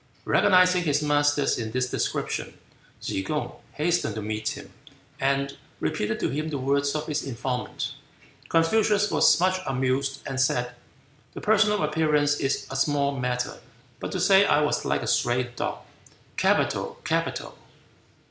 Recognizing his master in this description, Tsze kung hastened to meet him, and repeated to him the words of his informant. Confucius was much amused, and said: "The personal appearance is a small matter; but to say I was like a stray dog capital! capital!"